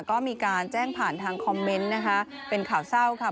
ก็มีการแจ้งผ่านทางคอมเมนต์นะคะเป็นข่าวเศร้าค่ะ